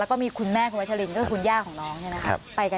แล้วก็มีคุณแม่คุณวัชฎิรคุณย่างของน้องมีอะไรนะคะ